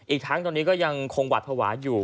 อีกทั้งตอนนี้ก็ยังคงหวัดภาวะอยู่